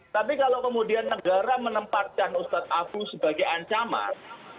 tapi kalau kemudian negara menempatkan ustadz abu sebagai ancaman